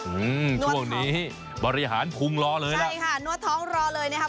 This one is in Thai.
อืมช่วงนี้บริหารพุงรอเลยล่ะใช่ค่ะนวดท้องรอเลยนะคะ